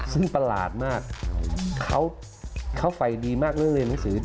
ซึ่งประหลาดมากเขาไฟดีมากเรื่องเรียนหนังสือ